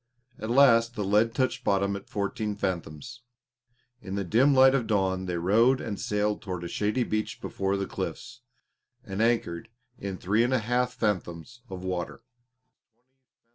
At last the lead touched bottom at fourteen fathoms. In the dim light of dawn they rowed and sailed toward a shady beach before the cliffs, and anchored in three and a half fathoms of water.